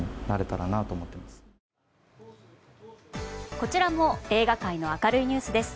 こちらも映画界の明るいニュースです。